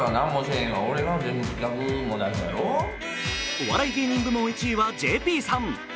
お笑い芸人部門１位はＪＰさん。